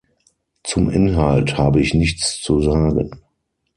Zum Inhalt habe ich nichts zu sagen.